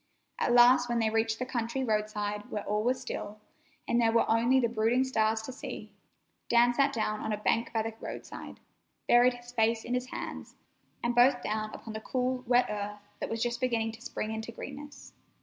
At last, when they reached the country roadside where all was still, and there were only the brooding stars to see, Dan sat down on a bank by the roadside, buried his face in his hands, and both down upon the cool, wet earth that was just beginning to spring into greenness.